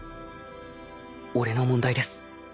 俺の問題です。